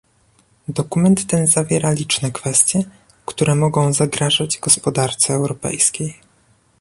Dokument ten zawiera liczne kwestie, które mogą zagrażać gospodarce europejskiej